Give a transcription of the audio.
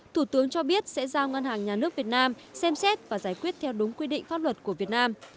thủ tướng cho biết sẽ giao ngân hàng nhà nước việt nam xem xét và giải quyết theo đúng quy định pháp luật của việt nam